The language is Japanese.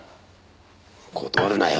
断るなよ